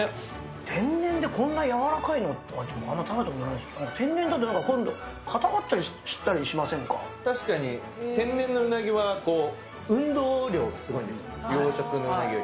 天然でこんな柔らかいの、天然だとなんか、硬かったり確かに、天然のうなぎは運動量がすごいんですよ、養殖のうなぎより。